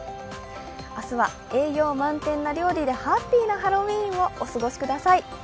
明日は栄養満点な料理でハッピーなハロウィーンをお過ごしください。